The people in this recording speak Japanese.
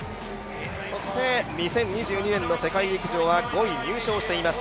２０２２年の世界陸上は５位入賞しています。